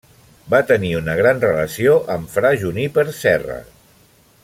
Va tenir una gran relació amb fra Juníper Serra.